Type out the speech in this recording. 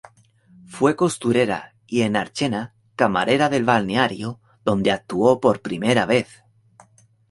Fue costurera y, en Archena, camarera del balneario, donde actuó por primera vez.